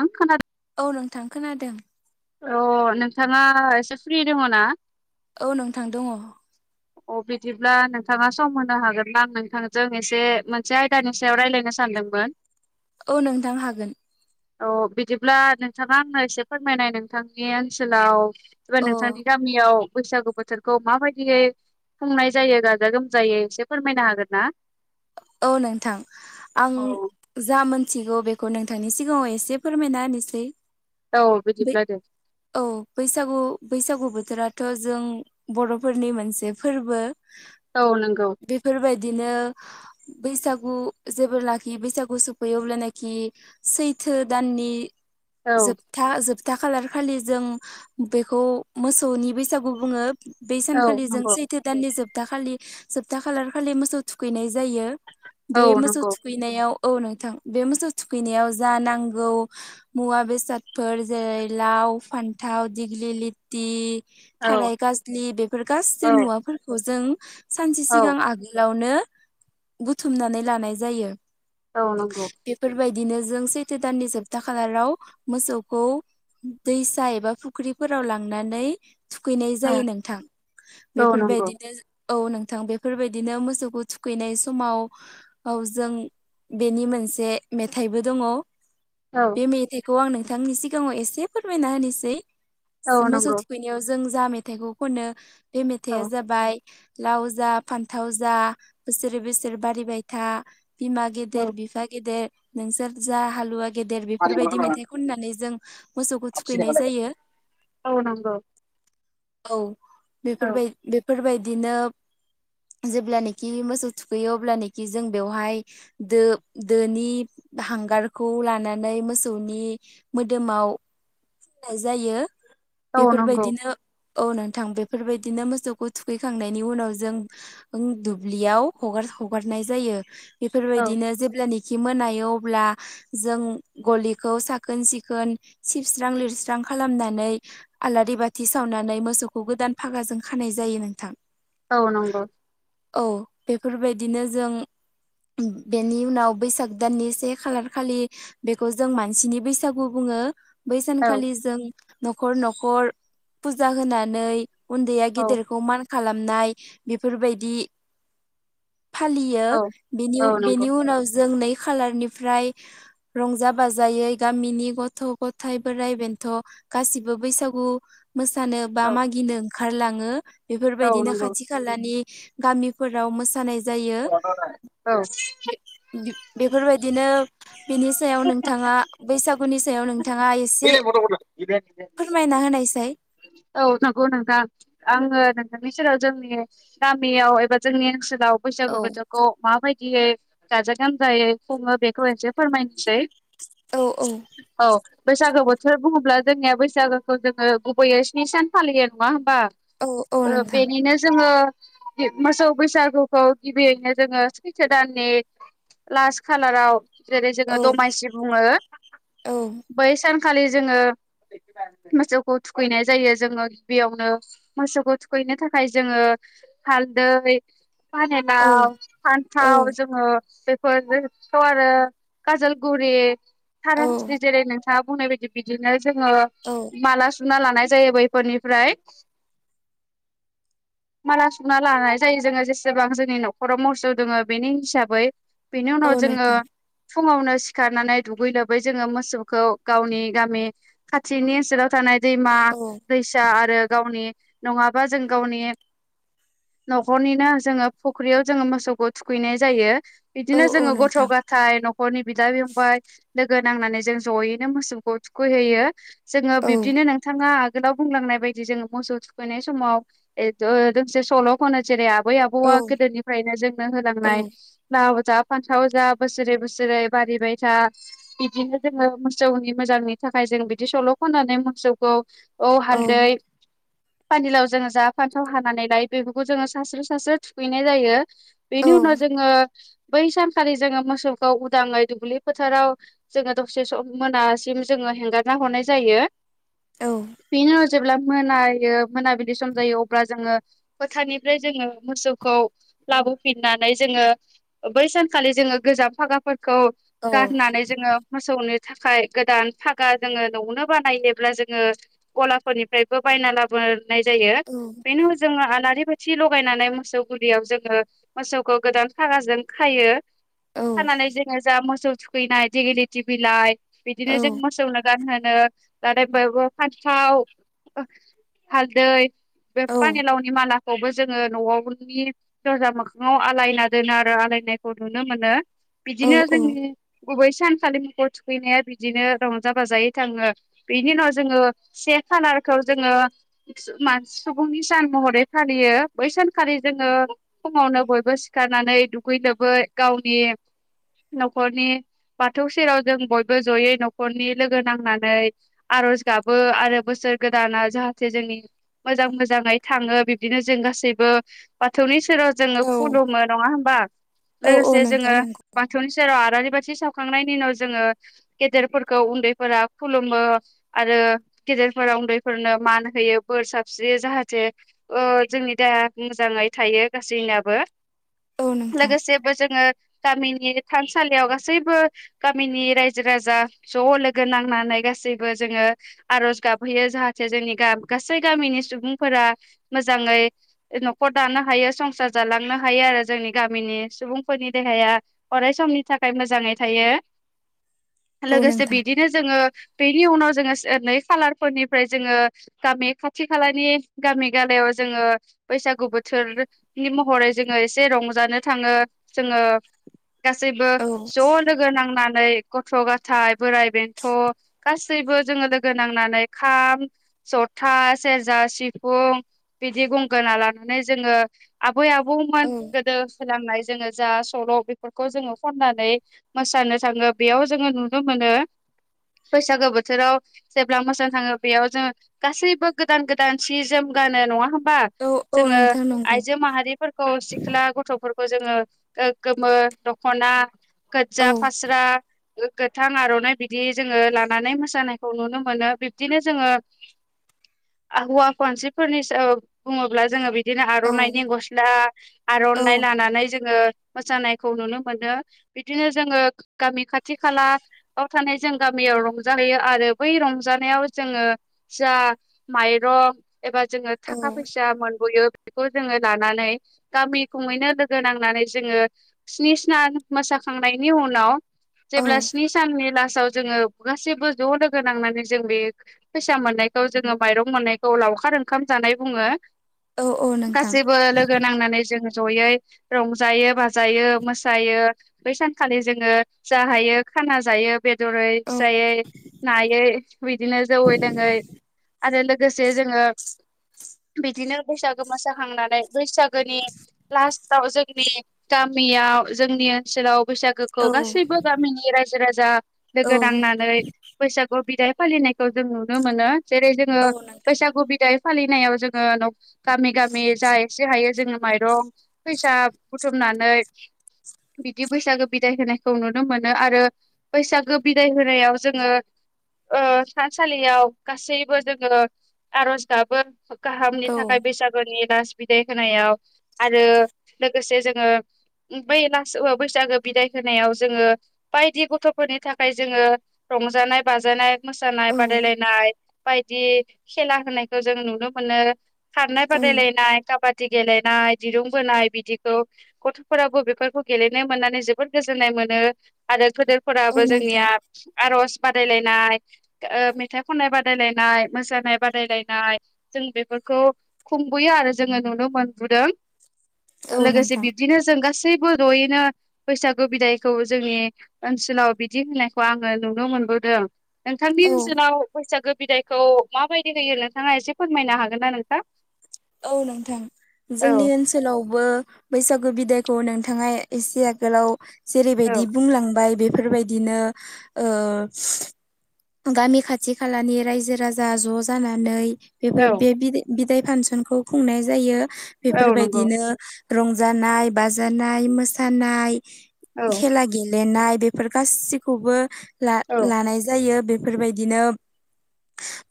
आं खोना औ नोंथां खोनादों [inaudible] औ नोंथां दङ अह बिदिब्ला नोंथाङा सम होनो हागोन ना नोंथांजों एसे मोनसे आयदानि सायाव रायज्लायनो सानदों दोंमोन औ नोंथां हागोन अह बिदिब्ला नोंथां एबा औ नोंथांनि गामियाव बैसागु बोथोरखौ माबायदियै खुंनाय जायो गाजा गोमजायै एसे फोरमायनो हागोन ना औ नोंथां आं औ जा मोन मिथिगौ बेखौ नोंथांनि सिगाङाव एसे फोरमायना होनोसै औ बै बिदिलायदों औ बैसागु बैसागु बोथोराथ' जों बर'फोरनि मोनसे फोरबो औ नंगौ बेफोरबायदिनो बैसागु जेब लाखियो बैसागु सफैयो अब्लानखि सैथो दान नि औ जोबथा जोबथा खालार खालि जों बेखौ मोसौनि बैसागु बुङो बै औ सानखालि जों नंगौ सैथो दाननि जोबथा खालि जोबथा खालार खालि मोसौ थुखैनाय जायो बे औ मोसौ नंगौ थुखैनायाव औ नोंथां बे मोसौ थुखैनायाव जा नांगौ मुवा बेसादफोर जेरै लाव फान्थाव दिग्लि लिथि औ थाराय गाजलि बेफोर गासै औ मुवाफोरखौ जों सानसे औ सिगां आगोलावनो बुथुमनानै लानाय जायो औ नंगौ बिदिनो जों सैथो दाननि जोबथा खालाराव मोसौखौ दैसा एबा फुख्रिफोराव लांनानै थुखैनाय औ जायो नोंथां औ नंगौ बेफोरबायदिनो औ नोंथां बेफोरबायदिनो मोसौखौ थुखैनाय समाव औ जों बेनि मोनसे मेथाइबो दङ औ बे मेथाइखौ आं नोंथांनि सिगाङाव एसे फोरमायना होनोसै औ मोसौ नंगौ थुखैनायाव जों जा मेथाइखौ खनो बे औ मेथाइआ जाबाय लाव जा फान्थाव जा बोसोरै बोसोर बारिबाय था बिमा औ गेदेर बिफा गेदेर नोंसोर जा हालुवा गेदेर बेफोरबायदि मेथाइ खननानै जों मोसौखौ थुखैनाय [unintelligible] जायो औ नंगौ औ औ बेफोरबाय बेफोरबायदिनो जेब्लानोखि मोसौ थुखैयो अब्लानोखि जों बेवहाय दो दोनि हांगारखौ लानानै मोसौनि मोदोमाव [unintelligible] जायो औ नंगौ बेफोरबायदिनो औ नोंथां बेफोरबायदिनो मोसौखौ थुखैखांनायनि उनाव जों दुब्लियाव हगार हगारनाय जायो औ बेफोरबायदिनो जेब्लानि खि मोनायो अब्ला जों गलिखौ साखोन सिखोन सिबस्रां लिरस्रां खालामनानै आलारि बाथि सावनानै मोसौखौ गोदान फागाजों खानाय जायो नोंथां औ नंगौ औ बेफोरबायदिनो जों बेनि उनाव बैसाग दाननि से खालार खालि बेखौ जों मानसिनि बैसागु बुं ङो बै औ सानखालि जों न'खर न'खर फुजा होनानै उन्दैया औ गेदेरखौ मान खालामनाय बेफोरबायदि फालियो औ बेनि औ नंगौ बेनि उनाव जों नै खालारनिफ्राय रंजा बाजायै गामिनि गथ' गथायाइ बोराइ बेन्थ' गासिबो बैसागु मोसानो बा औ मागिनो ओंखारलाङो औ बेफोरबायदिनो नंगौ खाथि खालानि गामिफोराव मोसानाय जायो औ बेफोरबायदि दिनो बिनि सायाव नोंथाङा बैसागुनि सायाव नोंथाङा एसे फोरमायना होनायसै औ नंगौ नोंथां आङो नोंथांनि सेराव जोंनि गामियाव एबा जोंनि ओनसोलाव आव औ बैसागु बोथोरखौ माबायदियै गाजा गोमजायै खुङो बेखौसै फोरमायनोसै औ औ औ बैसागो बोथोर बुङोब्ला जोंनिया बैसागोखौ जोङो गुबैयै स्नि सान फालियो नङा हो बा औ नोंथां बेनिनो जोङो मोसौ बैसागुखौ गिबियैनो जोङो सैथो दाननि लास्ट खालाराव जेरै जोङो औ दमासि बुङो औ बै सान खालि जोङो [inaudible] मोसौखौ थुखैनाय जायो जोङो गिबियावनो मोसौखौ थुखैनो थाखाय जोङो हालदै औ फानिलाव औ फान्थाव जोङो बेफोरथ आरो काजलगुरि औ थारस्रि जेरै नोंथाङा बुंनाय बायदि बिदिनो जोङो औ माला सुना लानाय जायो बैफोरनिफ्राय माला संना लानाय जायो जोङो जेसेबां जोंनि न'खराव मोसौ दोङो बेनि हिसाबै बिनि उनाव औ जोङो नोंथां फुङावनो सिखारनानै दुगै लोबै जोङो मोसौखौ गावनि गामि खाथिनि ओनसोलाव थानाय दैमा औ दैसा आरो गावनि नङाबा जों गावनि न'खरनिनो जोङो फुख्रियाव जोङो मोसौखौ थुखैनाय जायो औ बिदिनो औ जोङो गथ' नोंथां ग थाय न'खरनि बिदा फंबाय लोगो नांनानै जों जयैनो मोसौखौ थुखैहोयो। जोङो औ बिबदिनो नोंथाङा गोलाव बुंलांनाय बायदि जोङो मोसौ थुखैनाय समाव दसे सल' खनो जेरै आब बै आबौआ औ गोदोनिफ्रायनो जोंनो औ होलांनाय लाव जा फानथाव जा बोसोरै बोसोरै बारिबाय था बिदिनो जोङो मोसौनि मोजांनि थाखाय जों बिदि सल' खनानै मोसौखौ औ हालदै औ पानिलाव जोङो जा फान्थाव हानानै लाय बेफोरखौ जोङो सास्रो सासस्रो थुखैनाय जायो। औ बेनि उनाव जोङो बै सानखालि जोङो मोसौखौ उदाङै दुब्लि फोथाराव जोङो दसे सम मोनासिम जोङो हेंगारना हरनाय। जायो औ बेनो जेब्ला मोनायो मोनाबिलि सम जायो अब्ला जोङो फोथारनिफ्राय जोङो मोसौखौ लाबोफिननानै जोङो बै सानखालि जोङो गोजाम फागाफोरखौ औ गारनानै जोङो मोसौनो थाखाय गोदान फागा जोङो न'आवनो बानायोबब्ला जोङो गलाफोरनिफ्रायबो बायना लाबोनो। नाय जायो बेनाउ जों आलारि बाथि थि लगायनानै मोसौ गुलियाव जोङो मोसौखौ गोदान फागाजों खायो खानानै जोङो जा मोसौ थुखैनाय देगिलिटि बिलाइ बिदिनो जों मोसौ गान होनो जाथ बयबो फान्थाव हालदै बे औ पानि लावनि माला खौबो जोङो न'आवनि दरजा मोखाङाव आलायना दोनो आरो आलायनायखौ नु नुनो मोनो बिदिनो जोंनि गुबै सानखालि मुखौ थुखैनाया बिदिनो रंजा बाजायै थाङो बेनि उनाव जोङो से खालारखौ जोङो सुबुंनि सान महरै फालियो बै सानखालि जोङो फावनो बयबो सिखारनानै दुगैनोबो गावनि न'खरनि बाथौ सेराव जों बयबो जयै न'खरनि लोगो नांनानै आर'ज गाबो आरो बोसोर गोदाना जाहाथे जोंनि मोजां मोजाङै थाङो बिब्दिनो जों गासैबो बाथौनि जेराव जोङो औ खुलुमो नङा हबा औ लोगोसे जोङो नोंथां नंगौ बाथौनि सेर जेराव आारि बाथि सावखांनायनि उनाव जोङो गेदेरफोरखौ उन्दैफोरा खुलुमो आरो‌ गेदेरफोरा उन्दैफोरनो मान होयो बोर साबस्रियो जाहाथे जोंनि द मोजाङै थायो गासैनाबो औ नोंथां लोगोसेबो जोङो गामिनि थानसालियाव गासैबो गामिनि रायजो राजा ज' लोगो नांनानै नानै गासैबो जोङो आर'ज गाबहैयो जाहाथे जोंनि गाब गासै गामिनि सुबुंफोरा मोजाङै न'खर दानो हायो संसार जालांनो हायो आरो जोंनि गामिनि सुबुंफोरनि देहाया अराय समनि थाखाय मोजाङै थायो। औ लोगोसे नोंथां बिदिनो जोङो बेनि उनाव जोङो नै खालारफोरनिफ्राय जोङो गामि खाथि खालानि गामि गलायाव जोङो बैसागु बोथोरनि महरै जोङो एसे रंजानो थाङो। जोङो गासैबो औ ज' लोगो नांनानै गथ' गाथाय बोराइ बेन्थ' गासैबो जोङो लोगो नांनानै खाम ज' था सेरजा सिफुं बिदि गंगोना लानानै जोङो आ बै आबौमोन औ गोदो सोलोंनाय जोङो जा सल' बेफोरखौ जोङो खननानै मोसानो थाङो बेयाव जोङो नुनो मोनो। बैसागो बोथोराव जेब्ला मोजां थाङो बेयाव जोंङो गासैबो गोदान गोदान सि जोम गानो नङा होमबा औ औ जोङो नोंथां नंगौ आइजो माहारिफोरखौ सिख्ला गथ'फोरखौ जोङो ओ गोमो दख'ना गोदजा औ फास्रा गो गोथां आर'नाइ बिदि जोङो लानानै मोसानायखौ नुनो मोनो बिब्दिनो जोङो हौवा मानसिफोरनि बुङोब्ला जोङो बिदि बिदिनो औ आर'नाइनि गस्ला औ आर'नाइ लानानै जों ङो मोसानायखौ नुनो मोनो बिदिनो जोङो गामि खाथि खालायाव थानाय जों गामियाव रंजाहैयो आरो बै रंजानायाव जोङो जा माइरं एबा जोङो थाखा औ फैसा मोनबोयो बेखौ जोङो लानानै गामि खङैनो लोगो नां नानै जोङो स्नि सान मोसाखांनायनि उनाव औ जेब्ला स्नि साननि ला साव जोङो गासैबो ज' लोगो नांनानै जों बे फैसा मोननायखौ जोङो माइरं मोननायखौ लाउ खार ओंखाम जानाय बुङो औ औ नोंथां गासैबो लोगो नांनानै जों जयै रंजायो बाजायो मोसायो बै सानखालि जोङो जाहायो खाना जायो। बेदरै औ फिसायै नायै बिदिनो जौयै लोङै आरो लोगोसे जोङो बिदिनो बैसागो मोसाखांनानै बैसागोनि लास्त आव जोंनि गामियाव जोंनि ओनसोलाव बैसागोखौ औ गासैबो गामिनि राय जो राजा औ लोगो नांनानै बैसागु बिदाय फालिनायखौ जों नुनो मोनो। जेरै जोङो औ नोंथां बैसागु बिदाय फालिनायाव जोङो न' गामि गामि जा एसे हायो जोङो माइरं फैसा बुथुमनानै बिदि बैसागो बिदाय होनायखौ नुनो मोनो आरो बैसागो बिदाय होनायाव जोङो ओ थानसालियाव गासैबो जोङो आरज गाबो। गाहामनि औ थाखाय बैसागुनि लास बिदाय होनायाव आरो लोगोसे जोङो बै लास बैसागो बिदाय होनायाव जोङो बायदि गथ'फोरनि थाखाय जोङो रंजानाय बाजानाय मोसानाय औ बादायलायनाय बायदि खेला होनायखौ जों नुनो मोनो। खारनाय औ बादायलायनाय काबादि गेलेनाय दिरुं बोनाय बिदिखौ गथ'फोराबो बेफोरखौ गेलेनो मोननानै जोबोद गोजोननाय मोनो आरो औ फोदोरफोराबो नोंथां जोंनिया आर'ज बादायलायनाय ओ मेथाइ खननाय बादायलायनाय मोसानाय बादायलायनाय जों बेफोर खौ‌ खुंबोयो आरो जोङो नुनो मोनबोदों औ लोगोसे नोंथां बिब्दिनो जों गासै सैबो जयैनो बैसागो बिदायखौ जोंनि ओनसोलाव बिदि होनायखौ आङो नुनो मोन बोदों नोंथांनि औ ओनसोनाव बैसागो बिदायखौ माबायदि होयो नोंथाङा एसे फोरमायनो हागोन ना नोंथां? औ नोंथां जोंनि औ ओनसोलावबो बैसागु बिदायखौ नोंथाङा एसे आगोलाव औ जेरैबायदि बुंलांबाय बे फोरबायदिनो ओ गामि खाथि खालानि रायजो राजा ज' जानानै औ बेफोर बे बिदाय बिदाय फानसनखौ खुंनाय जायो औ नंगौ बेफोरबायदिनो रंजानाय बाजानाय मोसानाय औ खेला गेलेनाय। बेफोर गासैखौबो ला‌‌ औ लानाय जायो बे बेफोरबायदिनो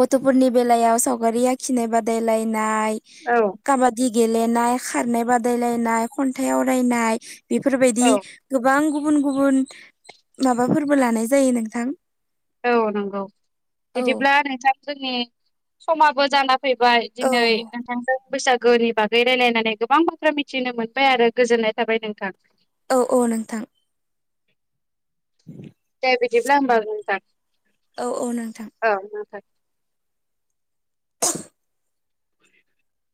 गथ'फोरनि बेलायाव सावगारि आखिनाय बादायलायनाय औ काबादि गेलेनाय खारनाय बादायलायनाय खन्थाइ आवरायनाय बेफोरबायदि औ गोबां गुबुन गुबुन माबाफोरबो लानाय जायो नोंथां। औ नंगौ औ बिदिब्ला नोंथां जोंनि समाबो जाना फैबाय औ दिनै नोंथांजों बैसागु गुनि बागै रायलायनानै गोबां बाथ्रा मिथिनो मोनबाय आरो गोजोननाय थाबाय नोंथां। औ औ नोंथां। [inaudible] दे बिदिब्ला होनबा नोंथां औ औ नोंथां। औ नोंथां [inaudible] [inaudible]